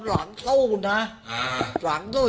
คุณคิดว่า๒๐๐เท่ากับ๗๐๐๐